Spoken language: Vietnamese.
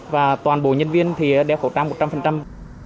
và toàn bộ nhân viên thì đeo khẩu trang một trăm linh